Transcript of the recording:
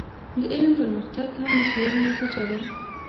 د علم پرمختګ هم د خیال نتیجه ده.